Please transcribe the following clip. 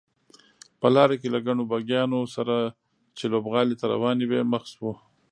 په لاره کې له ګڼو بګیانو سره چې لوبغالي ته روانې وې مخ شوو.